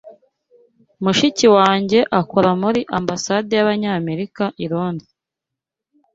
Mushiki wanjye akora muri Ambasade y’Amerika i Londres.